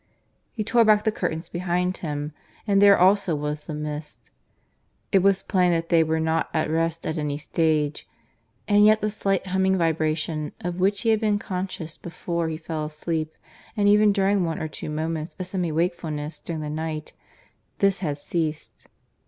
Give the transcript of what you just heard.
He tore back the curtains behind him, and there also was the mist. It was plain then that they were not at rest at any stage; and yet the slight humming vibration, of which he had been conscious before he fell asleep, and even during one or two moments of semi wakefulness during the night, this had ceased.